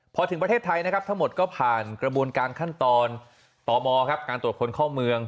พอถึงประเทศไทยนะครับทั้งหมดก็ผ่านกระบวนการขั้นตอนตมการตรวจคนเข้าเมือง